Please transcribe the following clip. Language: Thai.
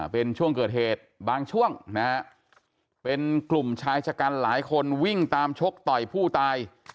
เป็นช่วงเกิดเหตุบางช่วงนะฮะเป็นกลุ่มชายชะกันหลายคนวิ่งตามชกต่อยผู้ตาย